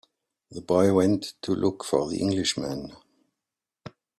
The boy went to look for the Englishman.